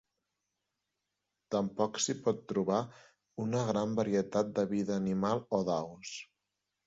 Tampoc s'hi pot trobar una gran varietat de vida animal o d'aus.